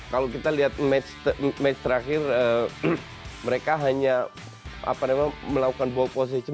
kalau kita lihat match terakhir mereka hanya melakukan ball position